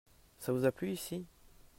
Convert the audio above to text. Ça vous a plu ici ?